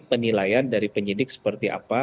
penilaian dari penyidik seperti apa